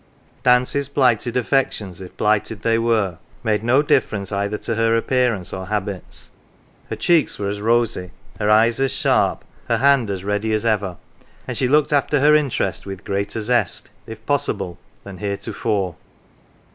11 Nancy's blighted affections, if blighted they were, 81 F NANCY made no difference either to her appearance or habits : her cheeks were as rosy, her eyes as sharp, her hand as ready as ever, and she looked after her interest with greater xest, if possible, than heretofore.